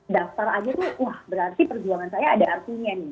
daftar aja tuh wah berarti perjuangan saya ada artinya nih